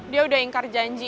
dia udah ingkar janji